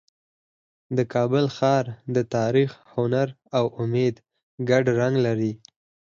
د کابل ښار د تاریخ، هنر او امید ګډ رنګ لري.